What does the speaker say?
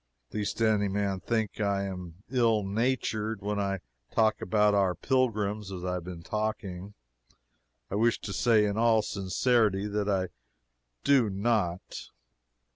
Lest any man think I mean to be ill natured when I talk about our pilgrims as I have been talking, I wish to say in all sincerity that I do not.